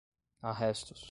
arrestos